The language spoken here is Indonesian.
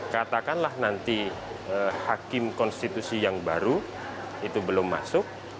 katakanlah nanti hakim konstitusi yang baru itu belum masuk